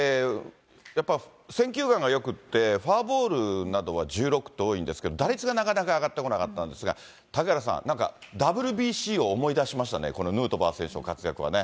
やっぱり選球眼がよくて、フォアボールなどは１６と多いんですけど、打率がなかなか上がってこなかったんですが、嵩原さん、なんかＷＢＣを思い出しましたね、このヌートバー選手の活躍はね。